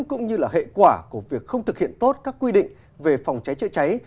cũng như là hệ quả của việc không thực hiện tốt các quy định về phòng cháy chữa cháy